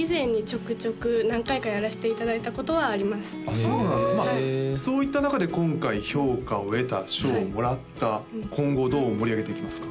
そうなんだそういった中で今回評価を得た賞をもらった今後どう盛り上げていきますか？